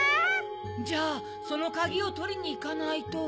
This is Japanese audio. じゃあそのカギをとりにいかないと。